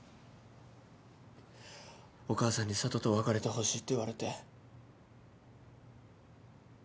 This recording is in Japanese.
お母さんに佐都と別れてほしいって言われて。